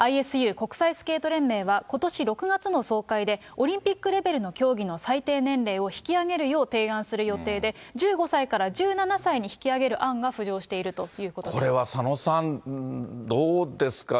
ＩＳＵ・国際スケート連合はことし６月の総会で、オリンピックレベルの競技の最低年齢を引き上げるよう提案する予定で、１５歳から１７歳に引き上げる案が浮上しているということです。